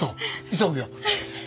急ぐよ。